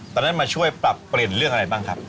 มาช่วยปรับเปลี่ยนเรื่องอะไรบ้างครับ